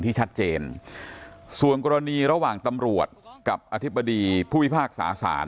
ที่ชัดเจนส่วนกรณีระหว่างตำรวจกับอธิบดีผู้พิพากษาศาล